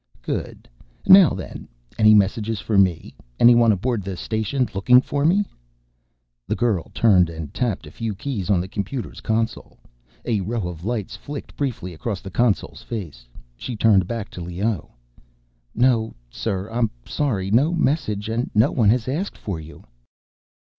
"Good. Now then, any messages for me? Anyone aboard the station looking for me?" The girl turned and tapped a few keys on the computer's control console. A row of lights flicked briefly across the console's face. She turned back to Leoh: "No, sir, I'm sorry. No messages and no one has asked for you."